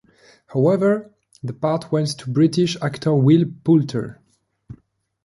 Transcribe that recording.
However, the part went to British actor Will Poulter.